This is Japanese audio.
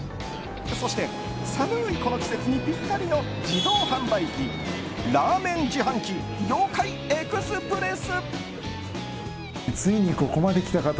そして、寒いこの季節にぴったりの自動販売機ラーメン自販機ヨーカイエクスプレス。